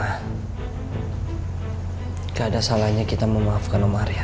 nggak ada salahnya kita memaafkan om arya